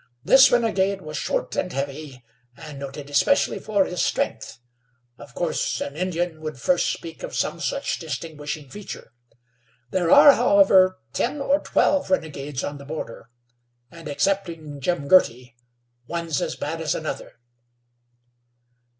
This renegade was short and heavy, and noted especially for his strength. Of course, an Indian would first speak of some such distinguishing feature. There are, however, ten or twelve renegades on the border, and, excepting Jim Girty, one's as bad as another."